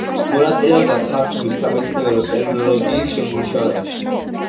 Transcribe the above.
მონაწილეობდა ქართულ სამეცნიერო ტერმინოლოგიის შემუშავებაში.